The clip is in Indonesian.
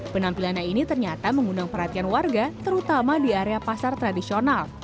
penampilannya ini ternyata mengundang perhatian warga terutama di area pasar tradisional